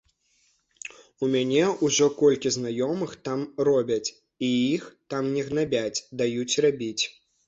У мяне ўжо колькі знаёмых там робяць, іх там не гнабяць, даюць рабіць.